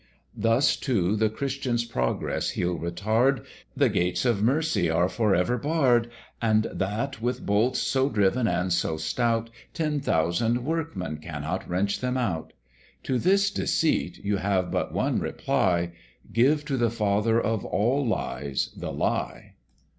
Thus too the Christian's progress he'll retard: 'The gates of mercy are for ever barr'd; And that with bolts so driven and so stout, Ten thousand workmen cannot wrench them out.' To this deceit you have but one reply, Give to the Father of all Lies the lie.